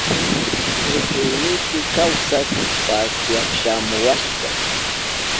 Kuchuynipi kawsak pasyak shamuwashka.